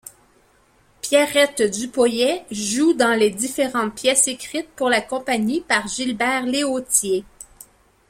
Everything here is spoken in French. Pierrette Dupoyet joue dans les différentes pièces écrites pour la compagnie par Gilbert Léautier.